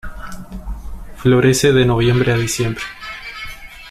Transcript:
Florece de noviembre a diciembre.